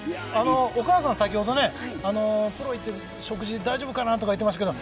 お母さん、先ほどプロに行って食事大丈夫かなって言ってましたけど